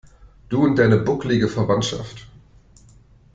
Du und deine bucklige Verwandschaft.